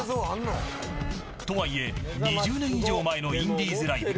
とはいえ２０年以上前のインディーズライブ。